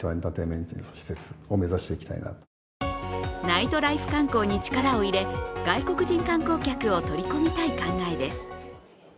ナイトライフ観光に力を入れ外国人観光客を取り込みたい考えです。